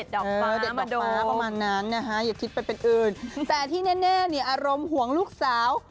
เด็ดดอกป้ามาโดมอย่าคิดเป็นเป็นอื่นแต่ที่แน่อารมณ์ห่วงลูกสาว